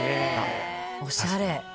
おしゃれ。